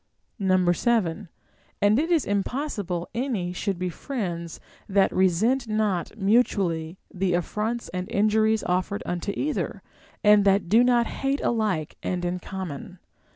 7. And it is impossible any should be friends that resent not mutually the affronts and injuries offered unto either, and that do not hate alike and in common.